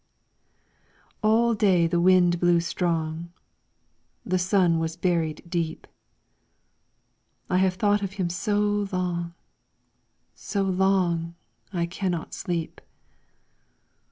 All day the wind blew strong. The sun was buried deep. I have thought of him so long, so long, I cannot sleep.